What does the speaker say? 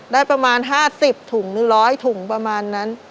ได้ประมาณห้าสิบถุงหรือร้อยถุงประมาณนั้น